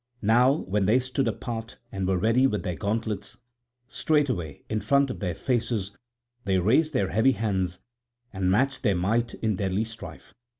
Now when they stood apart and were ready with their gauntlets, straightway in front of their faces they raised their heavy hands and matched their might in deadly strife.